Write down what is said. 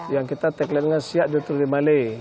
yang kita tagline dengan siak jatuh limaleh